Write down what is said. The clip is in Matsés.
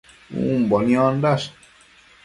Umbo niondash